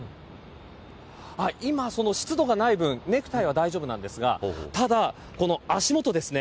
今、湿度がない分ネクタイは大丈夫なんですがただ、足元です。